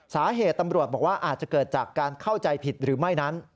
สาเหตุตำรวจบอกว่าอาจจะเกิดจากการเข้าใจผิดหรือไม่นั้น